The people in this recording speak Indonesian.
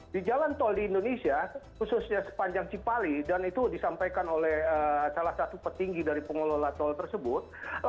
di jalan tol di indonesia khususnya sepanjang cipali dan itu disampaikan oleh salah satu petinggi dari pengelola tol tersebut